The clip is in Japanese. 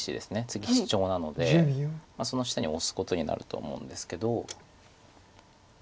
次シチョウなのでその下にオスことになると思うんですけど。